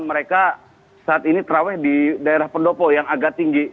mereka saat ini terawih di daerah pendopo yang agak tinggi